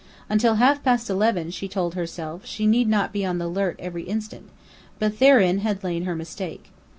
Until half past eleven, she told herself, she need not be on the alert every instant; but therein had lain her mistake.